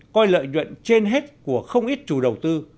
coi lợi nhuận trên hết của không ít chủ đầu tư